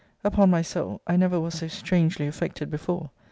Upon my soul, I never was so strangely affected before.